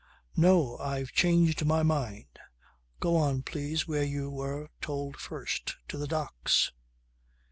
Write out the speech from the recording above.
"No! I've changed my mind. Go on please where you were told first. To the docks."